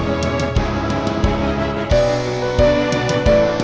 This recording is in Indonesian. oh anak mama